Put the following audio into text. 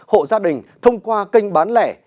hộ gia đình thông qua kênh bán lẻ